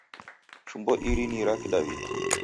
Chumbo iri ni ra Kidaw'ida.